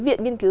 viện nghiên cứu